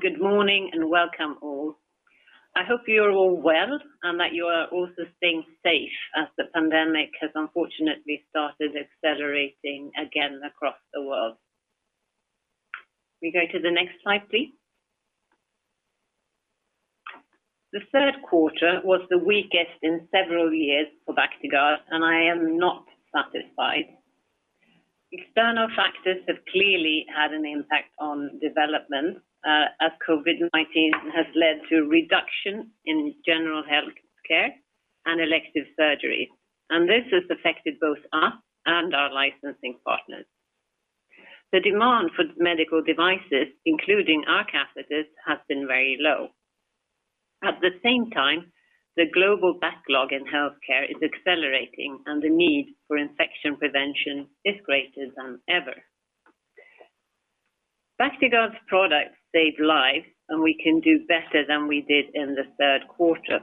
Good morning and welcome all. I hope you are all well and that you are also staying safe as the pandemic has unfortunately started accelerating again across the world. We go to the next slide, please. The third quarter was the weakest in several years for Bactiguard, and I am not satisfied. External factors have clearly had an impact on development, as COVID-19 has led to a reduction in general healthcare and elective surgery, and this has affected both us and our licensing partners. The demand for medical devices, including our catheters, has been very low. At the same time, the global backlog in healthcare is accelerating, and the need for infection prevention is greater than ever. Bactiguard products save lives, and we can do better than we did in the third quarter.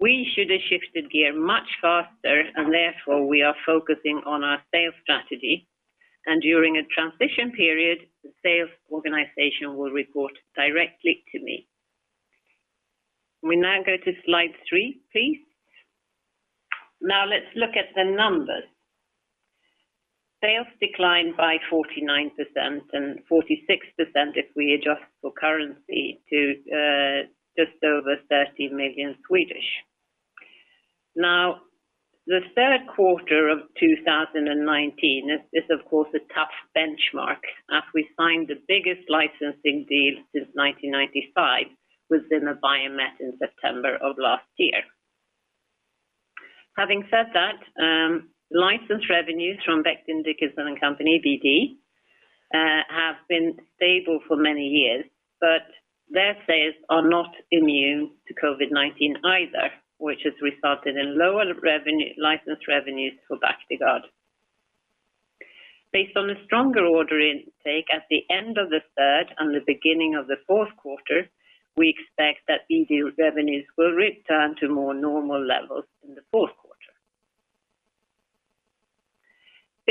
We should have shifted gear much faster, and therefore, we are focusing on our sales strategy. During a transition period, the sales organization will report directly to me. We now go to slide three, please. Let's look at the numbers. Sales declined by 49% and 46% if we adjust for currency to just over SEK 30 million. The third quarter of 2019 is, of course, a tough benchmark as we signed the biggest licensing deal since 1995 with Zimmer Biomet in September of last year. Having said that, license revenues from Becton, Dickinson and Company, BD, have been stable for many years, but their sales are not immune to COVID-19 either, which has resulted in lower license revenues for Bactiguard. Based on a stronger order intake at the end of the third and the beginning of the fourth quarter, we expect that BD revenues will return to more normal levels in the fourth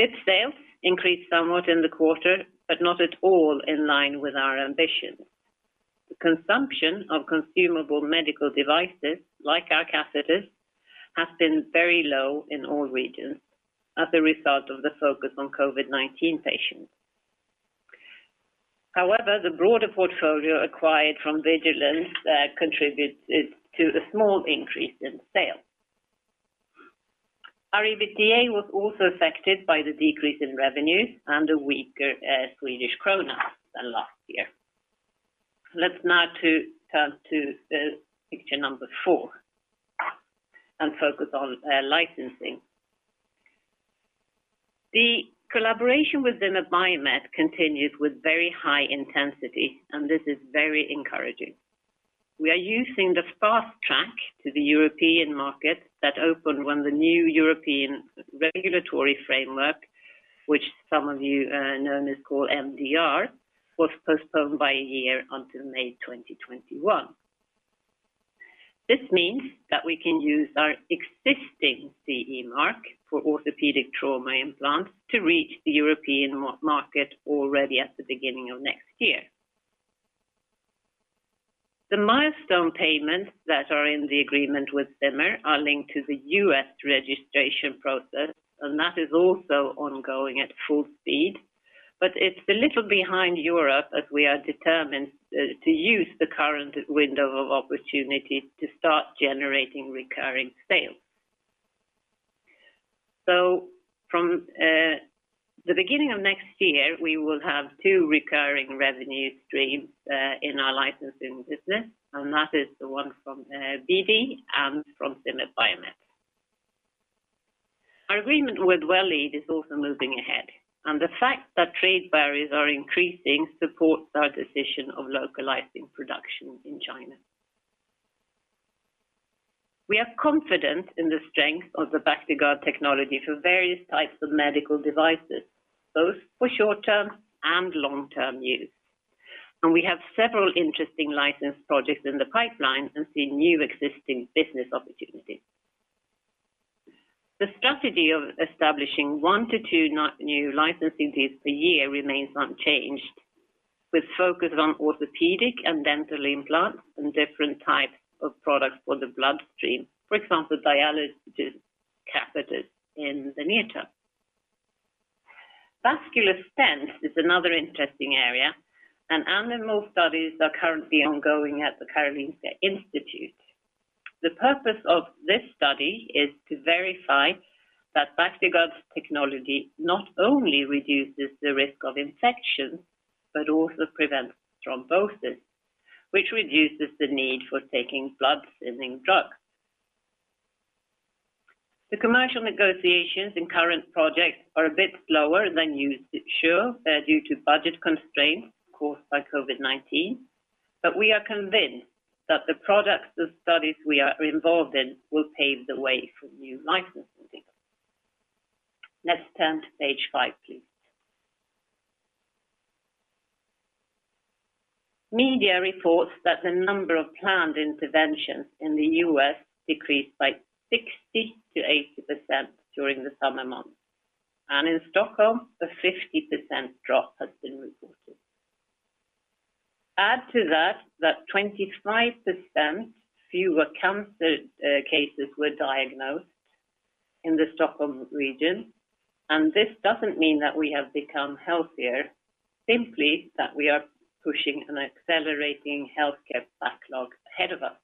quarter. BIP sales increased somewhat in the quarter. Not at all in line with our ambition. The consumption of consumable medical devices, like our catheters, has been very low in all regions as a result of the focus on COVID-19 patients. The broader portfolio acquired from Vigilenz contributed to a small increase in sales. Our EBITDA was also affected by the decrease in revenues and a weaker SEK than last year. Let's now turn to the picture number 4 and focus on licensing. The collaboration with Zimmer Biomet continues with very high intensity. This is very encouraging. We are using the fast track to the European market that opened when the new European regulatory framework, which some of you know is called MDR, was postponed by a year until May 2021. This means that we can use our existing CE mark for orthopedic trauma implants to reach the European market already at the beginning of next year. The milestone payments that are in the agreement with Zimmer are linked to the U.S. registration process, and that is also ongoing at full speed. It's a little behind Europe, as we are determined to use the current window of opportunity to start generating recurring sales. From the beginning of next year, we will have two recurring revenue streams in our licensing business, and that is the one from BD and from Zimmer Biomet. Our agreement with Well Lead is also moving ahead, and the fact that trade barriers are increasing supports our decision of localizing production in China. We are confident in the strength of the Bactiguard technology for various types of medical devices, both for short-term and long-term use. We have several interesting license projects in the pipeline and see new existing business opportunities. The strategy of establishing one to two new licensing deals per year remains unchanged, with focus on orthopedic and dental implants and different types of products for the bloodstream. For example, dialysis catheters in the near term. vascular stents is another interesting area, and animal studies are currently ongoing at the Karolinska Institute. The purpose of this study is to verify that Bactiguard's technology not only reduces the risk of infection, but also prevents thrombosis, which reduces the need for taking blood-thinning drugs. The commercial negotiations in current projects are a bit slower than usual due to budget constraints caused by COVID-19, but we are convinced that the products and studies we are involved in will pave the way for new licensing deals. Let's turn to page five, please. Media reports that the number of planned interventions in the U.S. decreased by 60%-80% during the summer months. In Stockholm, a 50% drop has been reported. Add to that 25% fewer cancer cases were diagnosed in the Stockholm region, this doesn't mean that we have become healthier, simply that we are pushing an accelerating healthcare backlog ahead of us.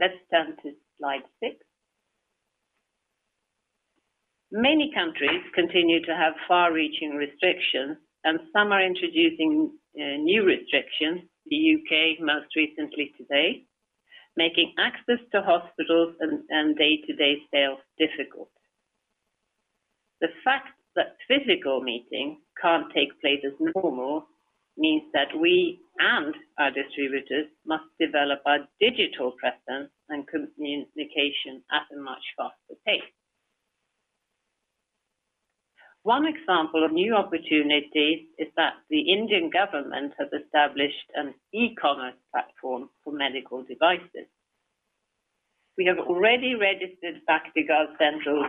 Let's turn to slide six. Many countries continue to have far-reaching restrictions and some are introducing new restrictions, the U.K. most recently today, making access to hospitals and day-to-day sales difficult. The fact that physical meetings can't take place as normal means that we and our distributors must develop our digital presence and communication at a much faster pace. One example of new opportunities is that the Indian government has established an e-commerce platform for medical devices. We have already registered Bactiguard's central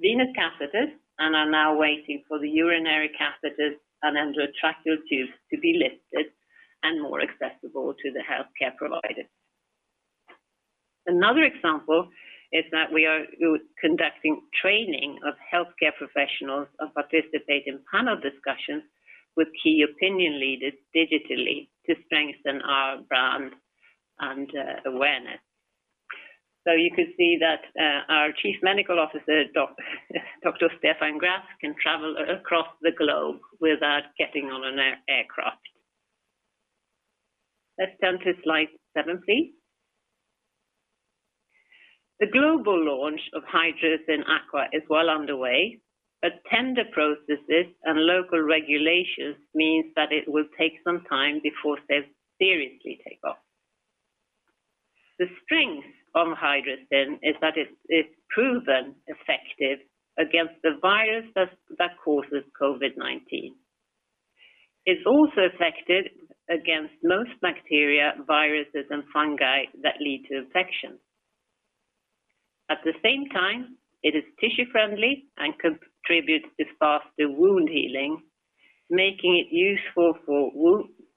venous catheters and are now waiting for the urinary catheters and endotracheal tubes to be listed and more accessible to the healthcare provider. Another example is that we are conducting training of healthcare professionals and participate in panel discussions with key opinion leaders digitally to strengthen our brand and awareness. You can see that our Chief Medical Officer, Dr. Stefan Grass, can travel across the globe without getting on an aircraft. Let's turn to slide seven, please. The global launch of HYDROCYN aqua is well underway, but tender processes and local regulations means that it will take some time before sales seriously take off. The strength of HYDROCYN is that it's proven effective against the virus that causes COVID-19. It's also effective against most bacteria, viruses, and fungi that lead to infection. At the same time, it is tissue-friendly and contributes to faster wound healing, making it useful for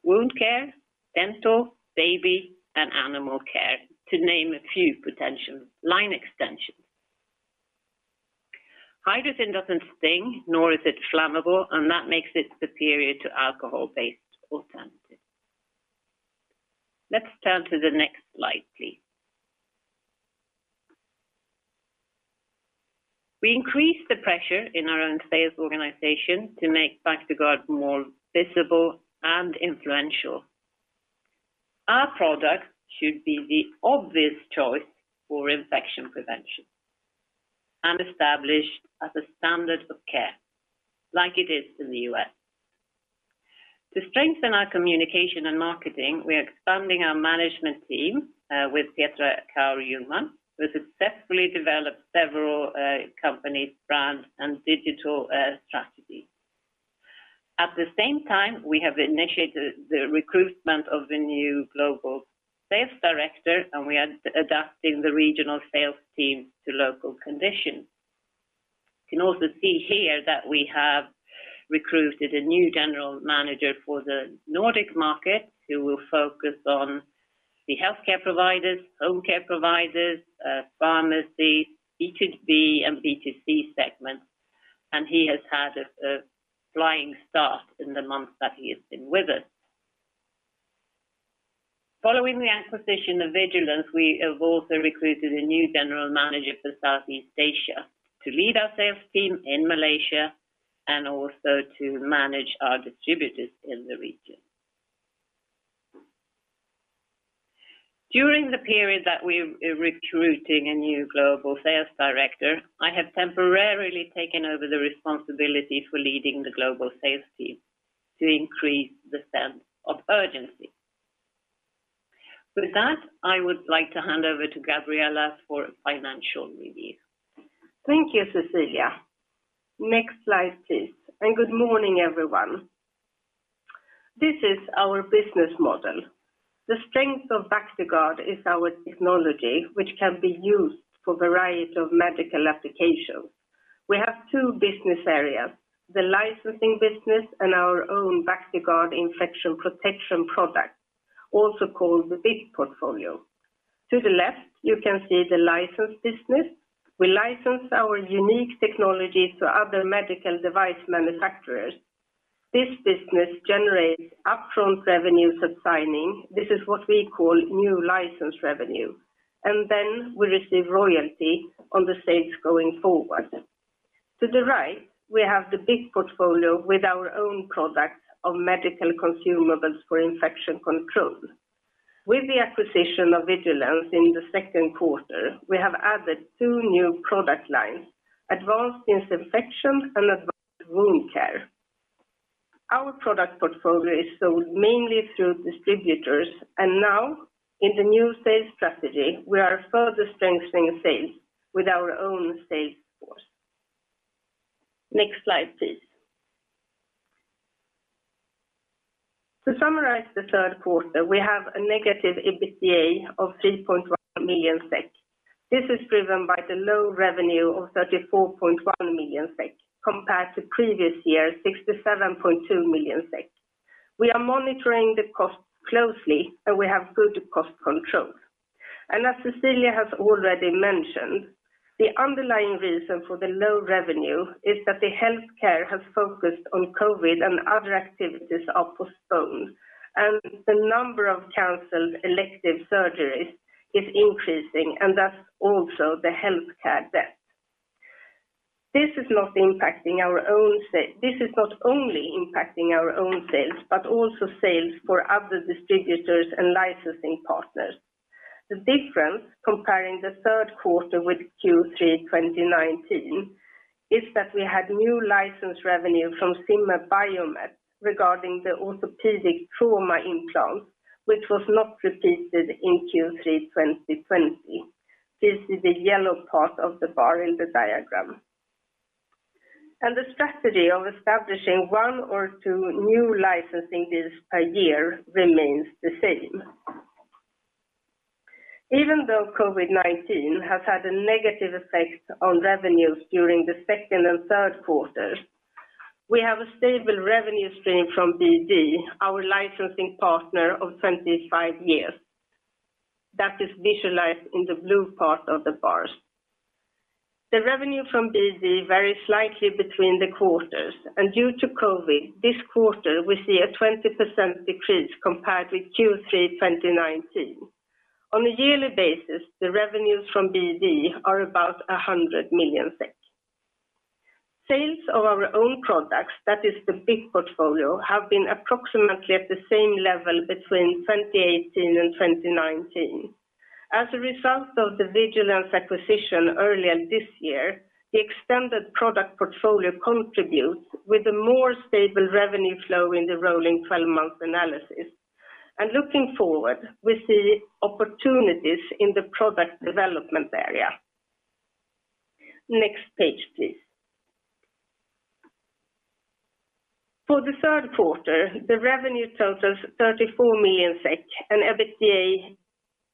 wound care, dental, baby, and animal care, to name a few potential line extensions. HYDROCYN doesn't sting, nor is it flammable. That makes it superior to alcohol-based alternatives. Let's turn to the next slide, please. We increased the pressure in our own sales organization to make Bactiguard more visible and influential. Our product should be the obvious choice for infection prevention and established as a standard of care like it is in the U.S. To strengthen our communication and marketing, we are expanding our management team with Petra Kaur Ljungman, who has successfully developed several companies, brands, and digital strategies. At the same time, we have initiated the recruitment of the new global sales director. We are adapting the regional sales team to local conditions. You can also see here that we have recruited a new general manager for the Nordic market who will focus on the healthcare providers, home care providers, pharmacies, B2B, and B2C segments, and he has had a flying start in the months that he has been with us. Following the acquisition of Vigilenz, we have also recruited a new general manager for Southeast Asia to lead our sales team in Malaysia and also to manage our distributors in the region. During the period that we're recruiting a new global sales director, I have temporarily taken over the responsibility for leading the global sales team to increase the sense of urgency. With that, I would like to hand over to Gabriella for a financial review. Thank you, Cecilia. Next slide, please. Good morning, everyone. This is our business model. The strength of Bactiguard is our technology, which can be used for a variety of medical applications. We have two business areas, the licensing business and our own Bactiguard Infection Protection Products, also called the BIP portfolio. To the left, you can see the licensed business. We license our unique technology to other medical device manufacturers. This business generates upfront revenues at signing. This is what we call new license revenue. Then we receive royalty on the sales going forward. To the right, we have the BIP portfolio with our own products of medical consumables for infection control. With the acquisition of Vigilenz in the second quarter, we have added two new product lines, advanced disinfection and advanced wound care. Our product portfolio is sold mainly through distributors. Now in the new sales strategy, we are further strengthening sales with our own sales force. Next slide, please. To summarize the third quarter, we have a negative EBITDA of 3.1 million SEK. This is driven by the low revenue of 34.1 million SEK compared to previous year, 67.2 million SEK. We are monitoring the cost closely, and we have good cost control. As Cecilia has already mentioned, the underlying reason for the low revenue is that the healthcare has focused on COVID and other activities are postponed, and the number of canceled elective surgeries is increasing, and thus also the healthcare debt. This is not only impacting our own sales, but also sales for other distributors and licensing partners. The difference comparing the Q3 with Q3 2019 is that we had new license revenue from Zimmer Biomet regarding the orthopedic trauma implants, which was not repeated in Q3 2020. This is the yellow part of the bar in the diagram. The strategy of establishing one or two new licensing deals a year remains the same. Even though COVID-19 has had a negative effect on revenues during the second and third quarters, we have a stable revenue stream from BD, our licensing partner of 25 years. That is visualized in the blue part of the bars. The revenue from BD varies slightly between the quarters, and due to COVID, this quarter we see a 20% decrease compared with Q3 2019. On a yearly basis, the revenues from BD are about 100 million SEK. Sales of our own products, that is the BIP portfolio, have been approximately at the same level between 2018 and 2019. As a result of the Vigilenz acquisition earlier this year, the extended product portfolio contributes with a more stable revenue flow in the rolling 12-month analysis. Looking forward, we see opportunities in the product development area. Next page, please. For the third quarter, the revenue totals 34 million SEK and EBITDA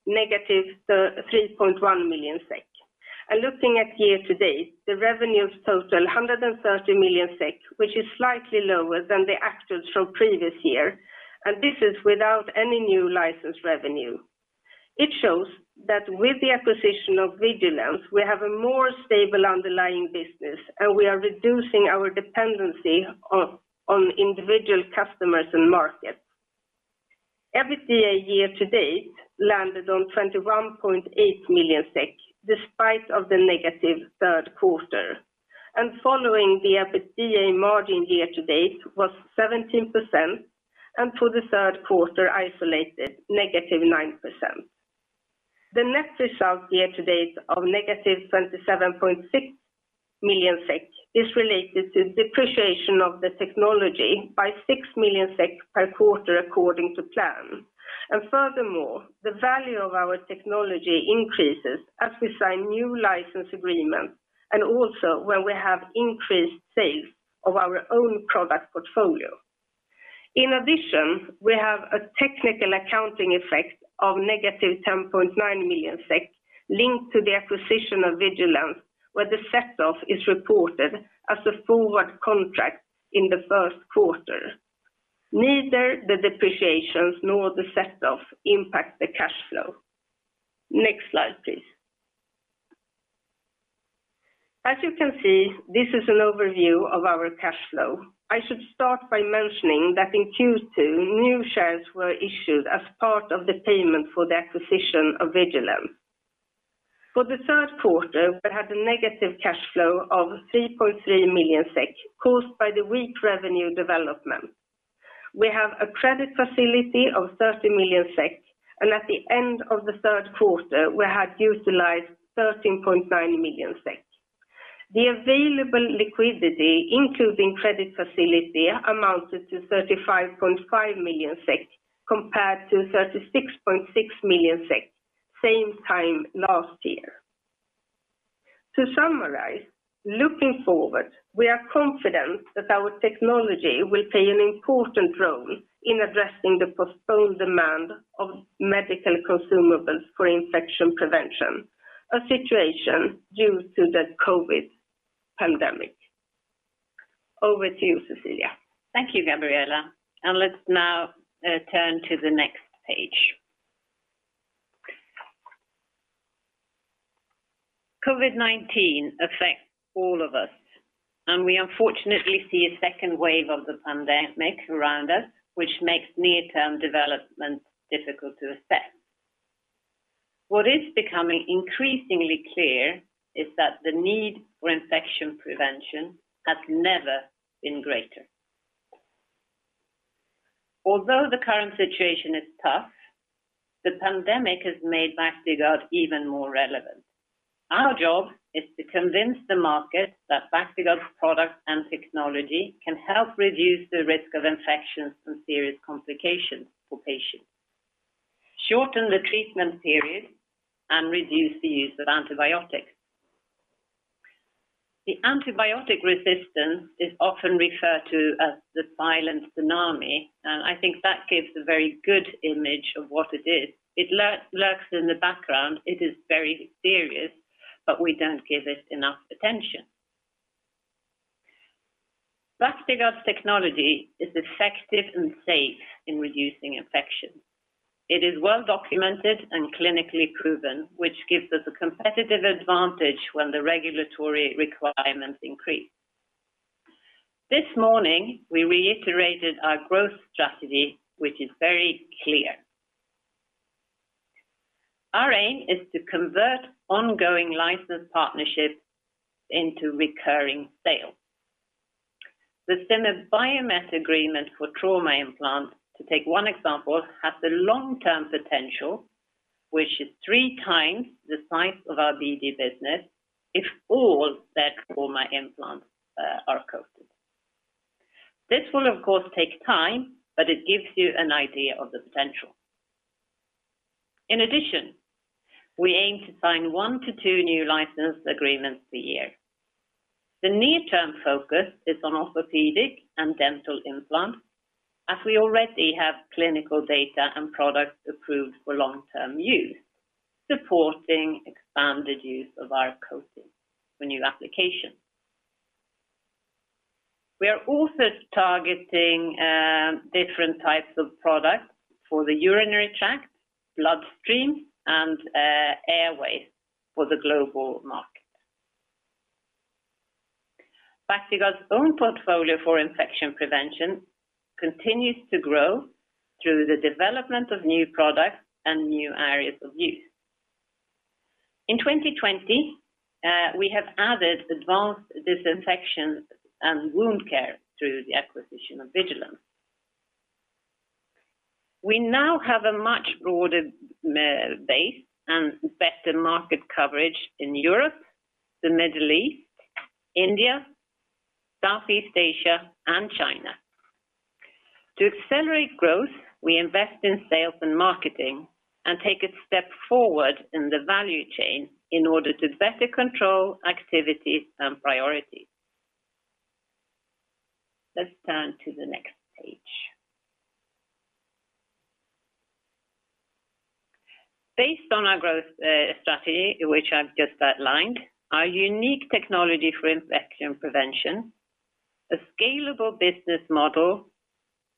negative 3.1 million SEK. Looking at year-to-date, the revenues total 130 million SEK, which is slightly lower than the actual from previous year, and this is without any new license revenue. It shows that with the acquisition of Vigilenz, we have a more stable underlying business, and we are reducing our dependency on individual customers and markets. EBITDA year-to-date landed on 21.8 million SEK despite of the negative third quarter. Following the EBITDA margin year-to-date was 17%, and for the third quarter isolated -9%. The net results year-to-date of -27.6 million SEK is related to depreciation of the technology by 6 million SEK per quarter according to plan. Furthermore, the value of our technology increases as we sign new license agreements and also when we have increased sales of our own product portfolio. In addition, we have a technical accounting effect of negative 10.9 million SEK linked to the acquisition of Vigilenz, where the setoff is reported as a forward contract in the first quarter. Neither the depreciations nor the setoff impact the cash flow. Next slide, please. As you can see, this is an overview of our cash flow. I should start by mentioning that in Q2, new shares were issued as part of the payment for the acquisition of Vigilenz. For the third quarter, we had a negative cash flow of 3.3 million SEK caused by the weak revenue development. At the end of the third quarter, we had utilized 13.9 million SEK. The available liquidity, including credit facility, amounted to 35.5 million SEK compared to 36.6 million SEK same time last year. To summarize, looking forward, we are confident that our technology will play an important role in addressing the postponed demand of medical consumables for infection prevention, a situation due to the COVID pandemic. Over to you, Cecilia. Thank you, Gabriella. Let's now turn to the next page. COVID-19 affects all of us, and we unfortunately see a second wave of the pandemic around us, which makes near-term development difficult to assess. What is becoming increasingly clear is that the need for infection prevention has never been greater. Although the current situation is tough, the pandemic has made Bactiguard even more relevant. Our job is to convince the market that Bactiguard's product and technology can help reduce the risk of infections and serious complications for patients, shorten the treatment period, and reduce the use of antibiotics. The antibiotic resistance is often referred to as the silent tsunami, and I think that gives a very good image of what it is. It lurks in the background. It is very serious, but we don't give it enough attention. Bactiguard's technology is effective and safe in reducing infection. It is well documented and clinically proven, which gives us a competitive advantage when the regulatory requirements increase. This morning, we reiterated our growth strategy, which is very clear. Our aim is to convert ongoing license partnerships into recurring sales. The Zimmer Biomet agreement for trauma implants, to take one example, has the long-term potential, which is three times the size of our BD business if all their trauma implants are coated. This will, of course, take time, but it gives you an idea of the potential. In addition, we aim to sign one to two new license agreements a year. The near-term focus is on orthopedic and dental implants, as we already have clinical data and products approved for long-term use, supporting expanded use of our coatings for new applications. We are also targeting different types of products for the urinary tract, bloodstream, and airways for the global market. Bactiguard's own portfolio for infection prevention continues to grow through the development of new products and new areas of use. In 2020, we have added advanced disinfection and wound care through the acquisition of Vigilenz. We now have a much broader base and better market coverage in Europe, the Middle East, India, Southeast Asia, and China. To accelerate growth, we invest in sales and marketing and take a step forward in the value chain in order to better control activities and priorities. Let's turn to the next page. Based on our growth strategy, which I've just outlined, our unique technology for infection prevention, a scalable business model,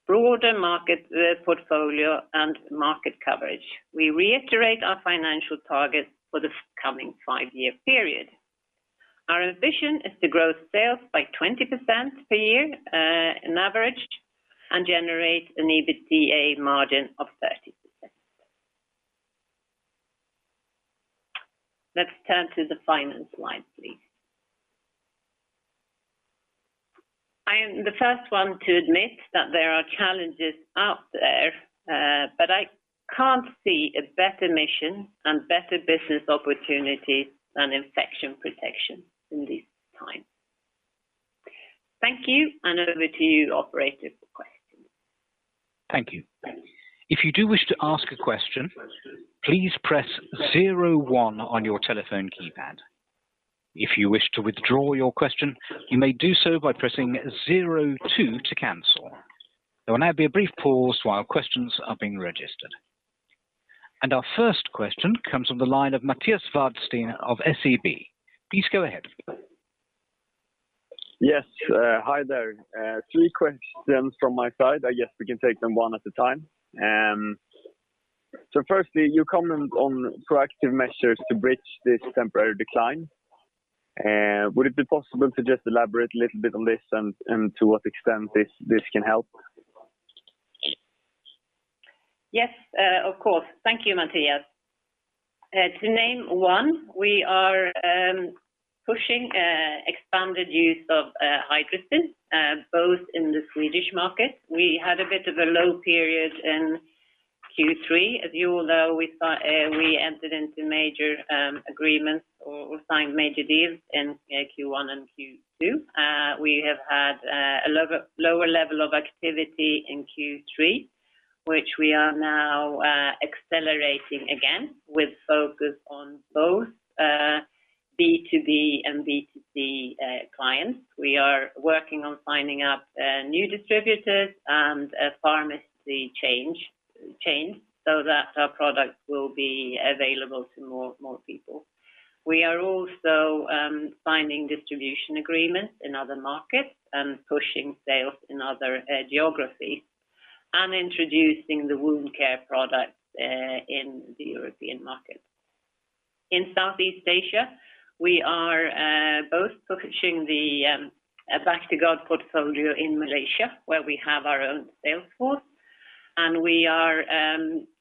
broader market portfolio, and market coverage. We reiterate our financial targets for the coming five-year period. Our ambition is to grow sales by 20% per year on average and generate an EBITDA margin of 30%. Let's turn to the finance slide, please. I am the first one to admit that there are challenges out there, but I can't see a better mission and better business opportunity than infection protection in this time. Thank you, and over to you, operator, for questions. Thank you. If you do wish to ask a question, please press zero one on your telephone keypad. If you wish to withdraw your question, you may do so by pressing zero two to cancel. There will now be a brief pause while questions are being registered. Our first question comes from the line of Mattias Vadsten of SEB. Please go ahead. Yes. Hi there. Three questions from my side. I guess we can take them one at a time. Firstly, you comment on proactive measures to bridge this temporary decline. Would it be possible to just elaborate a little bit on this and to what extent this can help? Yes, of course. Thank you, Mattias. To name one, we are pushing expanded use of HYDROCYN, both in the Swedish market. We had a bit of a low period in Q3. As you all know, we entered into major agreements or signed major deals in Q1 and Q2. We have had a lower level of activity in Q3, which we are now accelerating again with focus on both B2B and B2C clients. We are working on signing up new distributors and pharmacy chains so that our product will be available to more people. We are also signing distribution agreements in other markets and pushing sales in other geographies and introducing the wound care products in the European market. In Southeast Asia, we are both pushing the Bactiguard portfolio in Malaysia, where we have our own sales force, and we are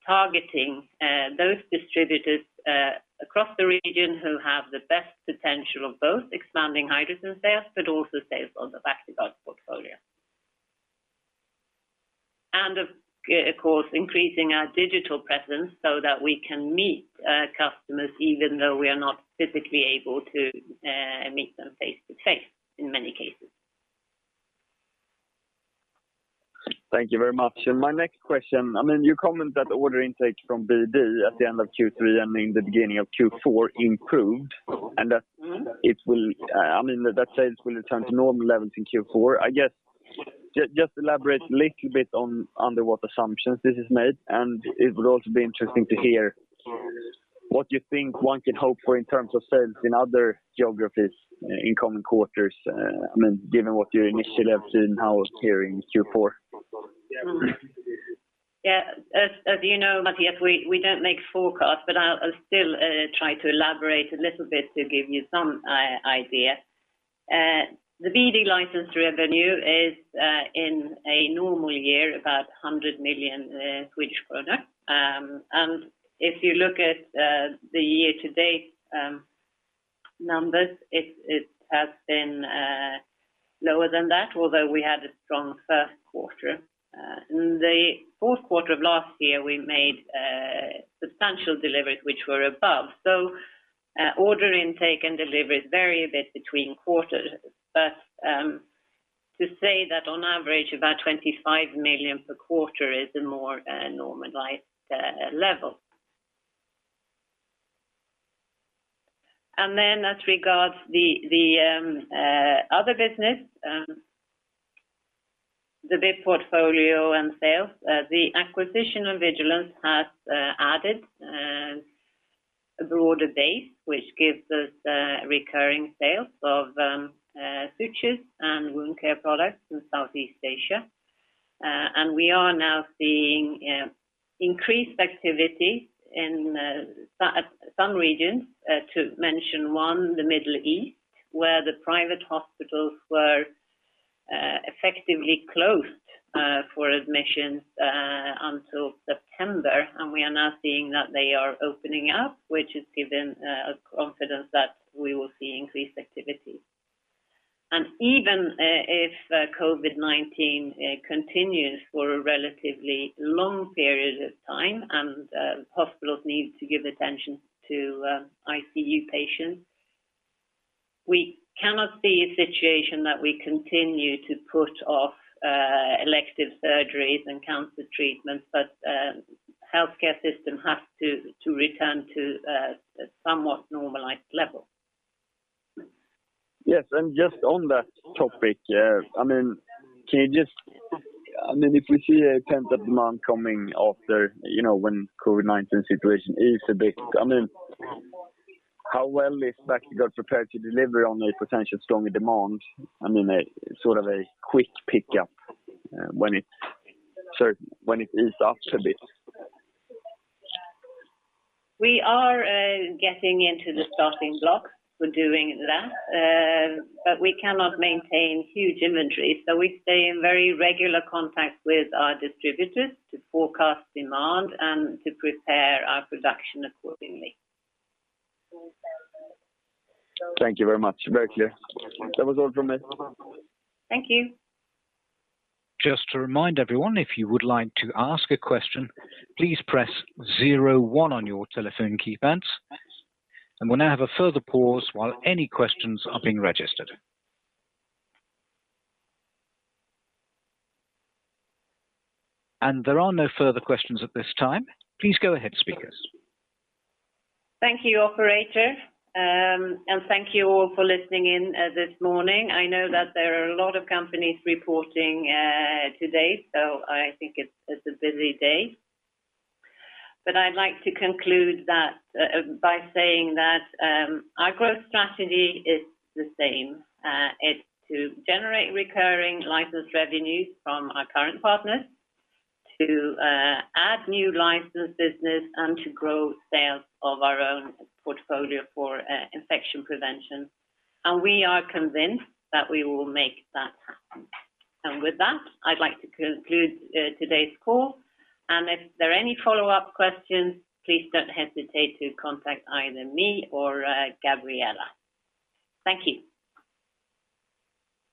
targeting those distributors across the region who have the best potential of both expanding Vigilenz sales, but also sales of the Bactiguard portfolio. Of course, increasing our digital presence so that we can meet customers even though we are not physically able to meet them face to face. Thank you very much. My next question, you comment that order intake from BD at the end of Q3 and in the beginning of Q4 improved, and that sales will return to normal levels in Q4. Just elaborate a little bit on under what assumptions this is made, and it would also be interesting to hear what you think one can hope for in terms of sales in other geographies in coming quarters, given what you initially have seen now appearing in Q4. Yeah. As you know, Mattias, we don't make forecasts, but I'll still try to elaborate a little bit to give you some idea. The BD license revenue is, in a normal year, about 100 million Swedish krona. If you look at the year-to-date numbers, it has been lower than that, although we had a strong first quarter. In the fourth quarter of last year, we made substantial deliveries which were above. Order intake and deliveries vary a bit between quarters. To say that on average about 25 million per quarter is a more normalized level. Then as regards the other business, the BIP portfolio and sales, the acquisition of Vigilenz has added a broader base, which gives us recurring sales of sutures and wound care products in Southeast Asia. We are now seeing increased activity in some regions. To mention one, the Middle East, where the private hospitals were effectively closed for admissions until September. We are now seeing that they are opening up, which has given us confidence that we will see increased activity. Even if COVID-19 continues for a relatively long period of time and hospitals need to give attention to ICU patients, we cannot see a situation that we continue to put off elective surgeries and cancer treatments. The healthcare system has to return to a somewhat normalized level. Yes, just on that topic, if we see a pent-up demand coming after when the COVID-19 situation eases a bit, how well is Bactiguard prepared to deliver on a potential stronger demand, a sort of a quick pickup when it eases up a bit? We are getting into the starting blocks for doing that. We cannot maintain huge inventory, so we stay in very regular contact with our distributors to forecast demand and to prepare our production accordingly. Thank you very much. Very clear. That was all from me. Thank you. Just to remind everyone, if you would like to ask a question, please press zero one on your telephone keypads. We'll now have a further pause while any questions are being registered. There are no further questions at this time. Please go ahead, speakers. Thank you, operator. Thank you all for listening in this morning. I know that there are a lot of companies reporting today, so I think it's a busy day. I'd like to conclude by saying that our growth strategy is the same. It's to generate recurring license revenues from our current partners, to add new license business, and to grow sales of our own portfolio for infection prevention. We are convinced that we will make that happen. With that, I'd like to conclude today's call. If there are any follow-up questions, please don't hesitate to contact either me or Gabriella. Thank you.